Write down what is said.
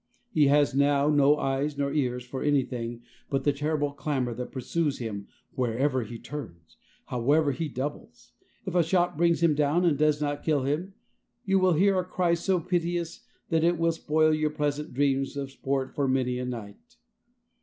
He has now no eyes nor ears for anything but the terrible clamor that pursues him wherever he turns, however he doubles. If a shot brings him down and does not kill him, you will hear a cry so piteous that it will spoil your pleasant dreams of sport for many a night.